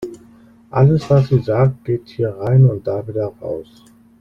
Alles, was sie sagt, geht hier rein und da wieder raus.